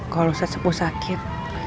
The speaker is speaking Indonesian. kalau saya sepuh sakit